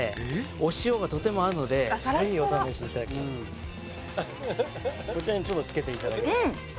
お塩がとても合うのでぜひお試しいただきたい・こちらにつけていただいてうん！